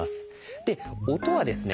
で音はですね